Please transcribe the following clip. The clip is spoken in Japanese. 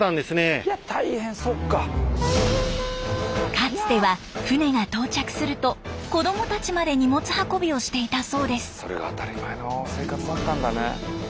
かつては船が到着すると子供たちまで荷物運びをしていたそうです。